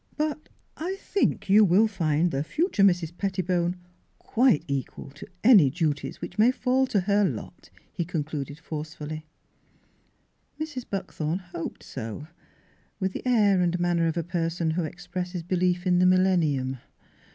" But — ah — I think you will find the [611 Miss Fhilura's IVedding Gown future Mrs. Pettibone quite equal to any duties which may fall to her lot," he con cluded forcefully. Mrs. Buckthorn hoped so^ with the air and manner of a person who expresses be lief in the millennium.